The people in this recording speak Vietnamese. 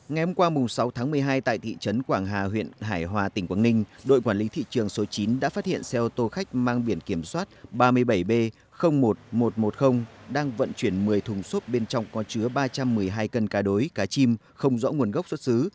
ngày hôm qua sáu tháng một mươi hai tại thị trấn quảng hà huyện hải hòa tỉnh quảng ninh đội quản lý thị trường số chín đã phát hiện xe ô tô khách mang biển kiểm soát ba mươi bảy b một nghìn một trăm một mươi đang vận chuyển một mươi thùng xốp bên trong có chứa ba trăm một mươi hai cân cá đối cá chim không rõ nguồn gốc xuất xứ